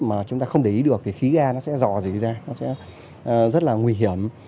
mà chúng ta không để ý được thì khí ga nó sẽ dò dỉ ra nó sẽ rất là nguy hiểm